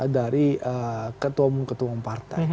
dari ketua umum ketua umum partai